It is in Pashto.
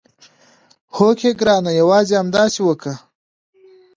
هوکې ګرانه یوازې همداسې وکړه.